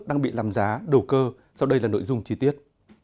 đang bị làm giá đổ cơ sau đây là nội dung chi tiết